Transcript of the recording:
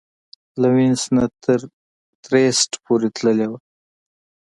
له وینس نه تر ترېسټ پورې تللې وه.